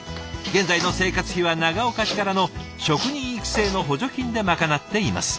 現在の生活費は長岡市からの職人育成の補助金でまかなっています。